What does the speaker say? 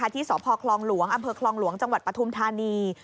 ที่สพคลองหลวงอำเภอคลองหลวงจังหวัดปฐุมธานี